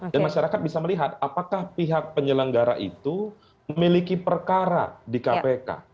dan masyarakat bisa melihat apakah pihak penyelenggara itu memiliki perkara di kpk